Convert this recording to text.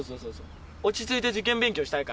落ち着いて受験勉強したいからな。